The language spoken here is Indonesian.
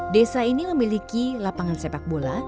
desa ini memiliki lapangan sepak bola